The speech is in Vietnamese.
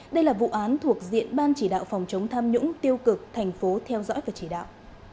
đây là vụ án thuộc diện ban chỉ đạo phòng chống tham nhũng tiêu cực thành phố theo dõi và chỉ đạo